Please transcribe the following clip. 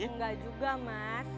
nggak juga mas